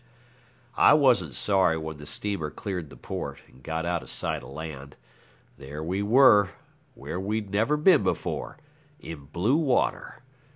I wasn't sorry when the steamer cleared the port, and got out of sight of land. There we were where we'd never been before in blue water.